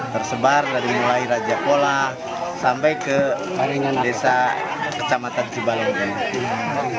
tersebar dari mulai raja polah sampai ke keringan desa kecamatan cibalongga